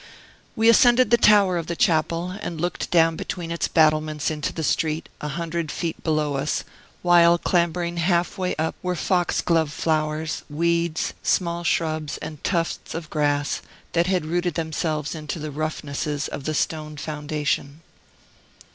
We ascended the tower of the chapel, and looked down between its battlements into the street, a hundred feet below us; while clambering half way up were foxglove flowers, weeds, small shrubs, and tufts of grass, that had rooted themselves into the roughnesses of the stone foundation.